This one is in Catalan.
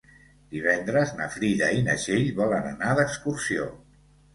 Divendres na Frida i na Txell volen anar d'excursió.